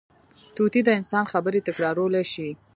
طوطي د انسان خبرې تکرارولی شي